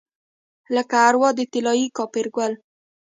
لکه اروا د طلايي کاپرګل